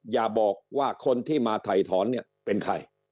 อย่าบอกว่าคนที่มาถ่ายถอนเนี่ยเป็นใคร